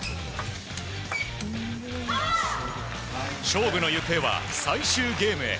勝負の行方は最終ゲームへ。